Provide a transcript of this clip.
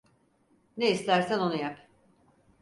Ne istersen onu yap.